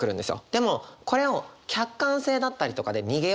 でもこれを客観性だったりとかで逃げようとする。